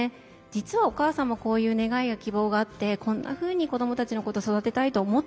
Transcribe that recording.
「実はお母さんもこういう願いや希望があってこんなふうに子どもたちのこと育てたいと思ってたんだよね」